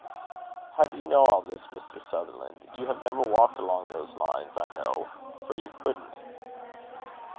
"How do you know all this, Mr. Sutherland? You have never walked along those lines, I know, for you couldn't."